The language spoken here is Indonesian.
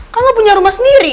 kan lo punya rumah sendiri